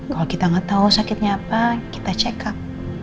kalau kita nggak tahu sakitnya apa kita cekap